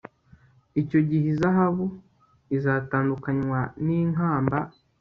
Icyo gihe izahabu izatandukanywa ninkamba